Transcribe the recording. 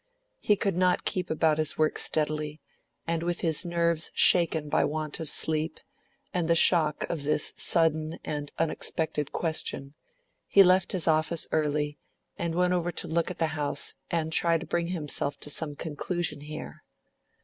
He could not keep about his work steadily, and with his nerves shaken by want of sleep, and the shock of this sudden and unexpected question, he left his office early, and went over to look at the house and try to bring himself to some conclusion here.